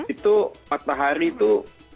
itu matahari tuh